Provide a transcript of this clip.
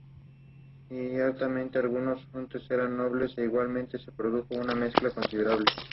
Curiosamente, el otro civil, Walter Lock, desapareció sin dejar rastro.